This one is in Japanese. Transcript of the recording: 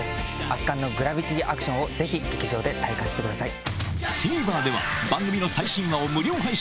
圧巻のグラビティ・アクションをぜひ劇場で体感してください。